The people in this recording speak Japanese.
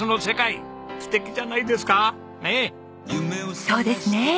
そうですね。